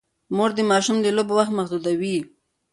مور د ماشوم د لوبو وخت محدودوي.